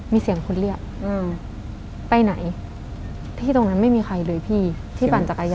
มีเสียงคนเรียกอืมไปไหนที่ตรงนั้นไม่มีใครเลยพี่ที่ปั่นจักรยาน